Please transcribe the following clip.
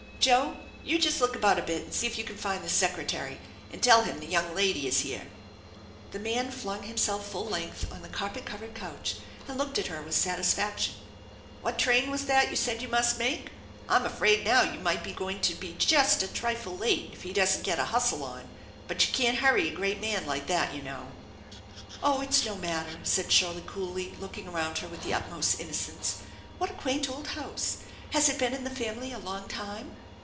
Joe, you jest look about a bit and see if you can find the Secretary, and tell him the young lady is here/' The man flung himself full length on the carpet covered couch and looked at her with satisfaction. "What train was that you said you must make? I'm afraid now you might be going to be just a trifle late if he don't get a hustle on, but you can't hurry a great man like that you know." " Oh, it's no matter !" said Shirley coolly, looking around her with the utmost innocence. " What a quaint old house ! Has it been in the family a long time